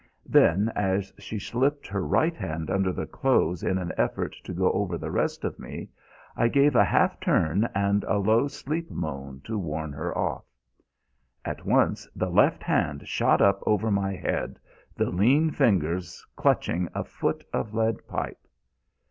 Then, as she slipped her right hand under the clothes in an effort to go over the rest of me, I gave a half turn and a low sleep moan to warn her off. At once the left hand shot up over my head, the lean fingers clutching a foot of lead pipe.